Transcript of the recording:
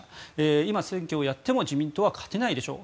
今、選挙をやっても自民党は勝てないでしょう